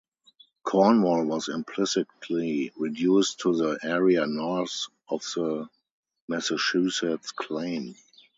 Cornwall was implicitly reduced to the area north of the Massachusetts claim.